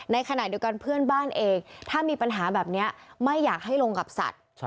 ในขณะเดียวกันเพื่อนบ้านเองถ้ามีปัญหาแบบนี้ไม่อยากให้ลงกับสัตว์